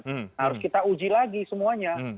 harus kita uji lagi semuanya